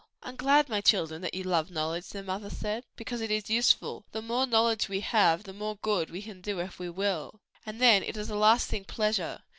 "I am glad, my children, that you love knowledge," their mother said, "because it is useful; the more knowledge we have the more good we can do if we will." "And then it is a lasting pleasure.